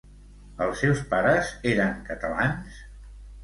Els seus pares eren catalans?